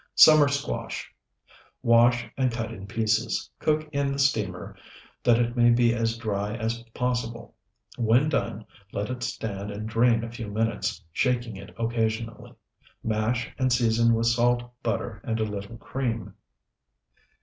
SUMMER SQUASH Wash and cut in pieces. Cook in the steamer, that it may be as dry as possible. When done, let it stand and drain a few minutes, shaking it occasionally. Mash and season with salt, butter, and a little cream.